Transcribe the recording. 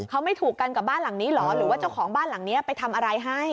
เขาไม่ถูกกันกับบ้านหลังนี้เหรอหรือว่าเจ้าของบ้านหลังนี้ไปทำอะไรให้